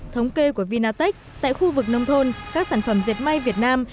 thống kê của vinatech tại khu vực nông thôn các sản phẩm dệt may việt nam